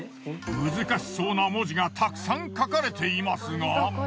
難しそうな文字がたくさん書かれていますが。